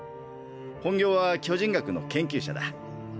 本業は巨人学の研究者だ。